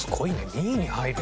２位に入る。